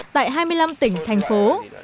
tại hai mươi năm tỉnh thành phố